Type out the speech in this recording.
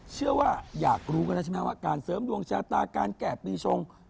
อยากรู้กันแล้วใช่ไหมว่าการเสริมดวงชะตาการแก่ปีชง